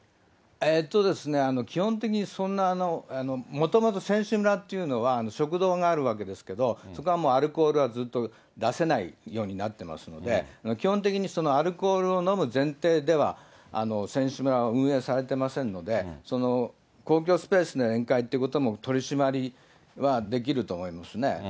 基本的にそんな、もともと選手村というのは食堂があるわけですけど、そこはアルコールはずっと出せないようになってますので、基本的にアルコールを飲む前提では、選手村は運営されてませんので、公共スペースで宴会ということも取締りはできると思いますね。